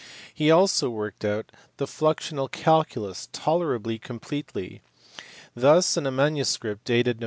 He also worked out the fluxional calculus tolerably completely : thus in a manuscript dated Nov.